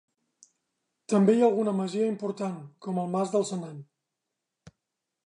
També hi ha alguna masia important, com el Mas del Senan.